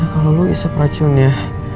kalau lu isep racunnya